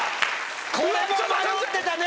これも迷ってたね。